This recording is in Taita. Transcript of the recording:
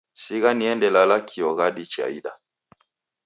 Sigha niende lala kio ghadi chaida.